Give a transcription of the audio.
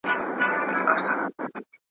خپله خوشحالی سوه.